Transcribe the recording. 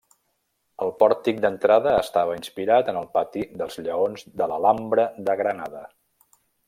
El pòrtic d'entrada estava inspirat en el pati dels Lleons de l'Alhambra de Granada.